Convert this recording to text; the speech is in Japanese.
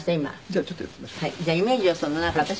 じゃあイメージをその私。